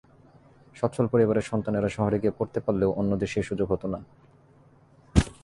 সচ্ছল পরিবারের সন্তানেরা শহরে গিয়ে পড়তে পারলেও অন্যদের সেই সুযোগ হতো না।